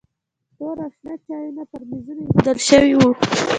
تور او شنه چایونه پر میزونو ایښودل شوي وو.